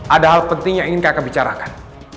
ada hal penting yang ingin kakak bicarakan